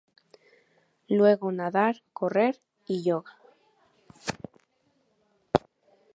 Luego nadar, correr y yoga.